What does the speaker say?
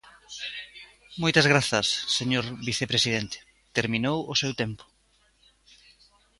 Moitas grazas, señor vicepresidente, terminou o seu tempo.